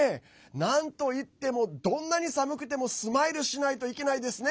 で、なんといってもどんなに寒くてもスマイルしないといけないですね。